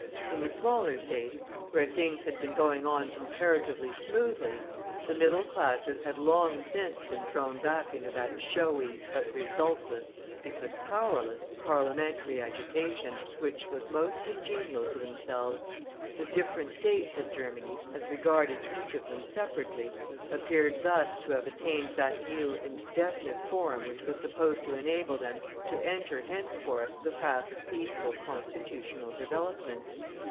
In the smaller States, where things had been going on comparatively smoothly, the middle classes had long since been thrown back into that showy, but resultless, because powerless, parliamentary agitation, which was most congenial to themselves. The different States of Germany, as regarded each of them separately, appeared thus to have attained that new and definite form which was supposed to enable them to enter henceforth the path of peaceful constitutional development.